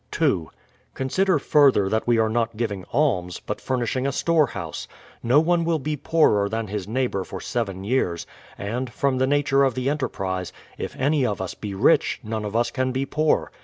2. Consider, further, that we are not giving alms, but furnishing a store house. No one will be poorer than his neighbour for seven years ; and, from the nature of the enterprise, if any of us be rich, none of us can be poor.